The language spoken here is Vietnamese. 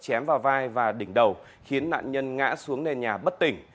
chém vào vai và đỉnh đầu khiến nạn nhân ngã xuống nền nhà bất tỉnh